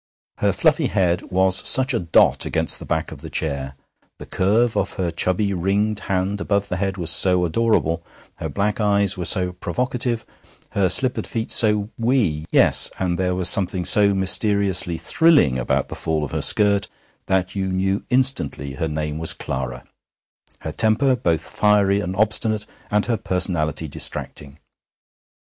Her fluffy head was such a dot against the back of the chair, the curve of her chubby ringed hand above the head was so adorable, her black eyes were so provocative, her slippered feet so wee yes, and there was something so mysteriously thrilling about the fall of her skirt that you knew instantly her name was Clara, her temper both fiery and obstinate, and her personality distracting.